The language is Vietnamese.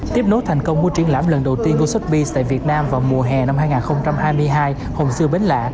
tiếp nốt thành công của truyện lãm lần đầu tiên của sotheby s tại việt nam vào mùa hè năm hai nghìn hai mươi hai hồng xưa bến lạ